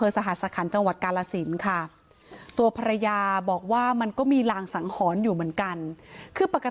ชอบทำงานนะครับแพ้ไม่ชอบเอและนี้น้องน้องเอ่อ